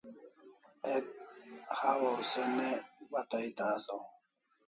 Ek hawaw se ne bata eta asaw